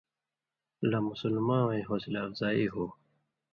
لہ مُسلماں وَیں حوصلہ افزائ ہو۔